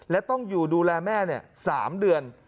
และต้องอยู่ดูแลแม่๓เดือน